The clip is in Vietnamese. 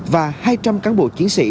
và hai trăm linh cán bộ chiến sĩ